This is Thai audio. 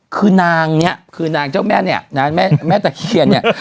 คือนางเนี่ยคือนางเจ้าแม่เนี่ยนะแม่ตะเคียนเนี่ย